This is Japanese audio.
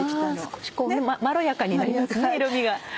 少しまろやかになりますね色みが。